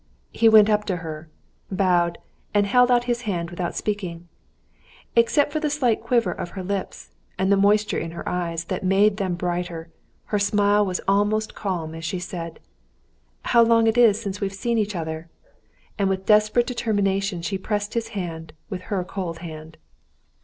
He went up to her, bowed, and held out his hand without speaking. Except for the slight quiver of her lips and the moisture in her eyes that made them brighter, her smile was almost calm as she said: "How long it is since we've seen each other!" and with desperate determination she pressed his hand with her cold hand.